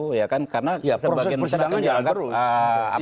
karena sebagian masyarakat yang dianggap